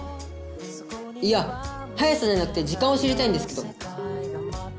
いや速さじゃなくて時間を知りたいんですけど。